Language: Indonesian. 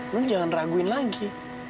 non jangan raguin lagi